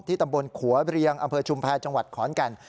ตำบลขัวเรียงอำเภอชุมแพรจังหวัดขอนแก่น